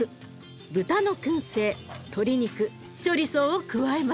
豚のくん製鶏肉チョリソーを加えます。